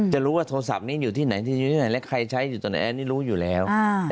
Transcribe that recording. จะรู้ว่าโทรศัพท์นี้อยู่ที่ไหนที่อยู่ที่ไหนและใครใช้อยู่ตรงไหนอันนี้รู้อยู่แล้ว